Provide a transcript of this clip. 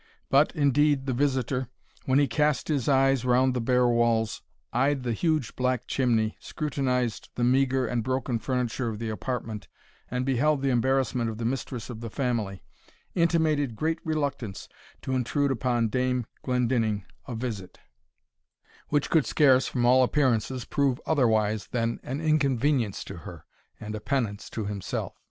But, indeed, the visiter, when he cast his eyes round the bare walls, eyed the huge black chimney, scrutinized the meagre and broken furniture of the apartment, and beheld the embarrassment of the mistress of the family, intimated great reluctance to intrude upon Dame Glendinning a visit, which could scarce, from all appearances, prove otherwise than an inconvenience to her, and a penance to himself.